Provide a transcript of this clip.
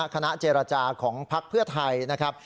คณะเจรจาของพักเพื่อไทยนะครับ